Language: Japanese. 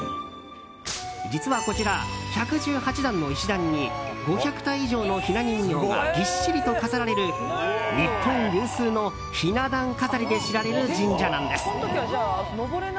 実はこちら、１１８段の石段に５００体以上のひな人形がぎっしりと飾られる日本有数のひな壇飾りで知られる神社なんです。